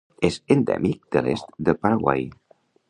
És endèmic de l'est del Paraguai.